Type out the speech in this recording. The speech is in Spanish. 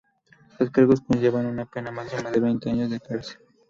Los cargos conllevaban una pena máxima de veinte años de cárcel.